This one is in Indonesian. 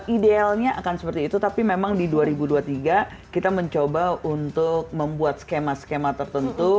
idealnya akan seperti itu tapi memang di dua ribu dua puluh tiga kita mencoba untuk membuat skema skema tertentu